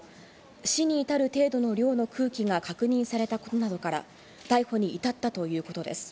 死に至る程度の量の空気が確認されたことなどから逮捕に至ったということです。